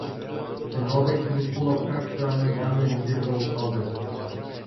Жыргалбек Турускулов фракциянын жаңы лидери болуп калды.